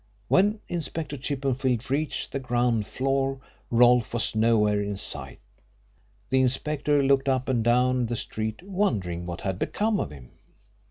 When Inspector Chippenfield reached the ground floor Rolfe was nowhere in sight. The inspector looked up and down the street, wondering what had become of him.